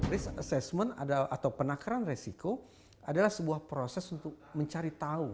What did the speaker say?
risk assessment atau penakaran resiko adalah sebuah proses untuk mencari tahu